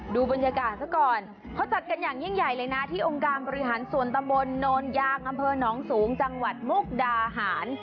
ดูบรรยากาศซะก่อนเขาจัดกันอย่างยิ่งใหญ่เลยนะที่องค์การบริหารส่วนตำบลโนนยางอำเภอหนองสูงจังหวัดมุกดาหาร